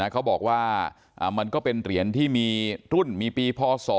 เขาบอกว่ามันก็เป็นเหรียญที่มีรุ่นมีปีพศ